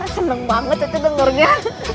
seneng banget cice dengernya